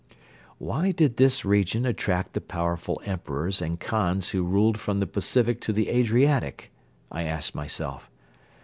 "Why did this region attract the powerful emperors and Khans who ruled from the Pacific to the Adriatic?" I asked myself.